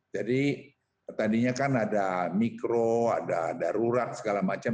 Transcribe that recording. jadi tadinya kan ada mikro ada darurat segala macam